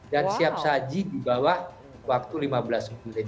dan siap saji di bawah waktu lima belas menit